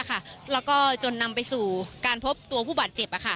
แล้วก็จนนำไปสู่การพบตัวผู้บาดเจ็บ